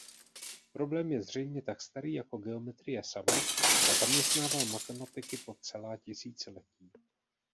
Problém je zřejmě tak starý jako geometrie sama a zaměstnával matematiky po celá tisíciletí.